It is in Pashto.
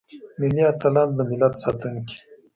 ملي اتلان دملت ساتونکي.